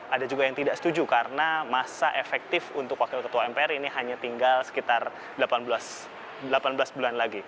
ada juga yang tidak setuju karena masa efektif untuk wakil ketua mpr ini hanya tinggal sekitar delapan belas bulan lagi